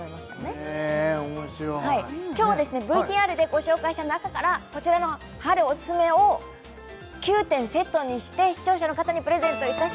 へえ面白い今日はＶＴＲでご紹介した中からこちらの春オススメを９点セットにして視聴者の方にプレゼントいたします